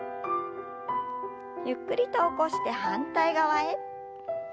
ゆっくりと起こして反対側へ。